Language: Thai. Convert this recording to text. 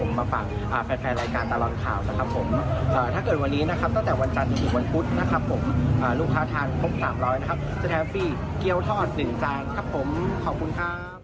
สแทฟฟรีเกี้ยวทอดหนึ่งจานครับผมขอบคุณครับ